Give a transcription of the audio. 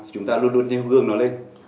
chúng ta luôn luôn nêu gương nó lên